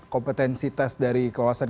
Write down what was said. kompetensi tes dari kewawasan